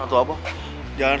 mau terus berpukuhan terus disini